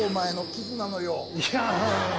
いや。